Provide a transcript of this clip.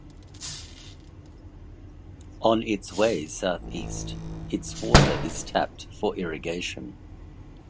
On its way southeast, its water is tapped for irrigation.